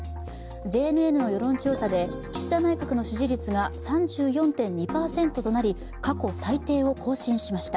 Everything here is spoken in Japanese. ＪＮＮの世論調査で岸田内閣の支持率が３４．２％となり、過去最低を更新しました。